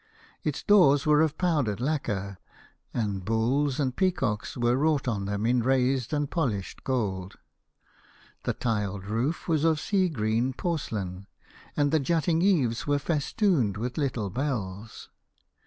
Its doors were of powdered lacquer, and bulls and peacocks were wrought on them in raised and polished gold. The tiled roof was of sea green porce lain, and the jutting eaves were festooned with little bells.